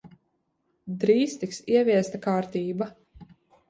Drīz tiks ieviesta kārtība.